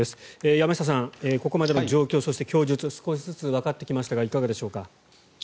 山下さん、ここまでの状況そして供述少しずつわかってきましたがいかがでしょうか。